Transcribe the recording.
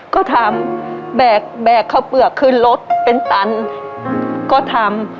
ก็ทำแบกข้าวเปลือกขึ้นรถเป็นตันก็ทำ